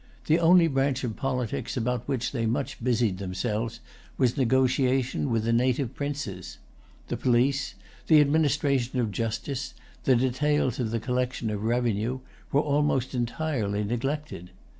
The only branch of politics about which they much busied themselves was negotiation with the native princes. The police, the administration of justice, the details of the collection of revenue, were almost entirely neglected.